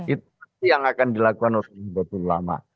itu yang akan dilakukan oleh nusli ibn abdul ulama